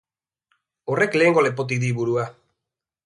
Horrek lehengo lepotik dik burua.